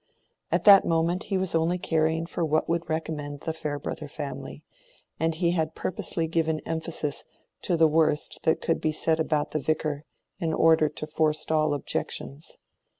At that moment he was only caring for what would recommend the Farebrother family; and he had purposely given emphasis to the worst that could be said about the Vicar, in order to forestall objections.